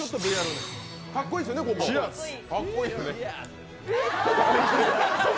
かっこいいですよね、ここ。